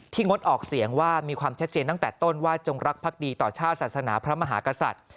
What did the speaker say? งดออกเสียงว่ามีความชัดเจนตั้งแต่ต้นว่าจงรักภักดีต่อชาติศาสนาพระมหากษัตริย์